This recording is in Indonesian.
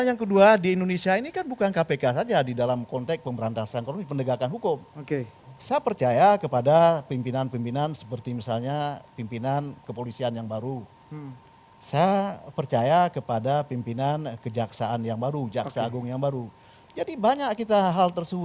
yang solid gitu ya mengenai itu